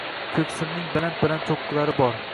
Koʻhisimning baland-baland choʻqqilari bor.